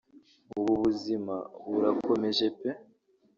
ubu ubuzima burakomeje pe